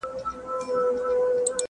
اسمان نیولي سترګي دي برندي !.